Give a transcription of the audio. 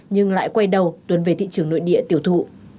nhưng lại quay đầu tuyến về thị trường nội địa tiểu thụ